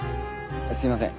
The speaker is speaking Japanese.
すいません。